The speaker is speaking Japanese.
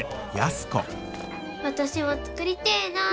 私も作りてえなあ。